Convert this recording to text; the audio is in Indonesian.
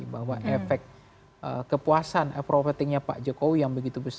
bahwa efek kepuasan aprovektasi dan kegiatan itu akan menggantikan psi